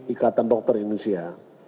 ikatan dokter indonesia